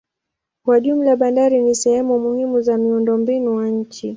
Kwa jumla bandari ni sehemu muhimu za miundombinu wa nchi.